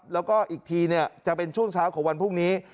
แล้วก็อีกทีจะเป็นช่วงเช้าของวันพรุ่งนี้